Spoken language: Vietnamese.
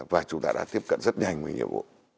và chúng ta đã tiếp cận rất nhanh về nhiệm vụ